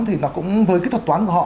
thì nó cũng với cái thuật toán của họ